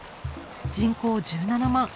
人口１７万。